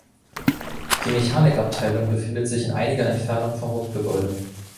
Die Mechanikabteilung befindet sich in einiger Entfernung vom Hauptgebäude.